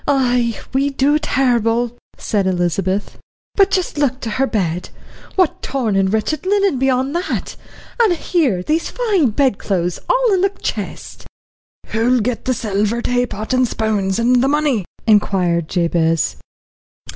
"Ay, we do, terrible," said Elizabeth. "But just look to her bed, what torn and wretched linen be on that and here these fine bedclothes all in the chest." "Who'll get the silver taypot and spoons, and the money?" inquired Jabez.